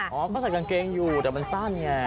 อ๋อเขาใส่กางเกงอยู่แต่มันสั้นไง